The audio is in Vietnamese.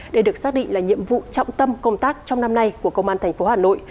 đây được xác định là nhiệm vụ trọng tâm công tác trong năm nay của công an tp hà nội